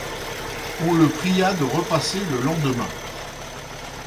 On le pria de repasser le lendemain.